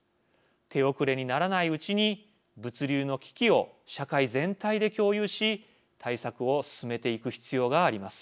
手遅れにならないうちに物流の危機を社会全体で共有し対策を進めていく必要があります。